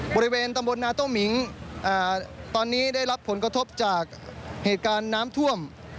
บริเวณตำบลนาโต้หมิงตอนนี้ได้รับผลกระทบจากเหตุการณ์น้ำท่วม